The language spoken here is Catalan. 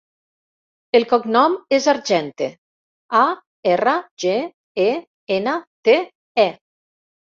El cognom és Argente: a, erra, ge, e, ena, te, e.